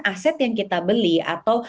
aset yang kita beli atau